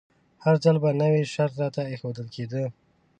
هر ځل به نوی شرط راته ایښودل کیده.